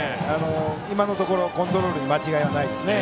今のところコントロールに間違いはないですね。